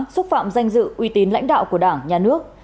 xúc phạm danh dự uy tín lãnh đạo của đảng nhà nước